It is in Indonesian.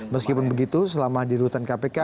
meskipun begitu selama di rutan kpk